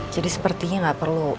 jadi sepertinya gak perlu